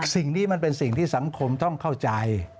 สิ่งนี้มันเป็นสิ่งที่สังคมต้องเข้าใจ